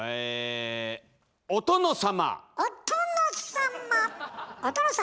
お殿様！